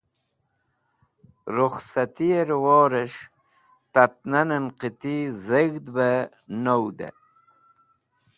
Rukhsatiye Rawores̃h Tat Nanen qiti Dheg̃hd be Nuwd